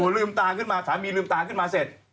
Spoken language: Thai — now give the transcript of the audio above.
ลืมตาขึ้นมาสามีลืมตาขึ้นมาเสร็จ